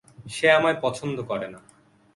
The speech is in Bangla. সে আমায় পছন্দ করে না।